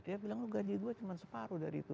dia bilang lo gaji gue cuma separuh dari itu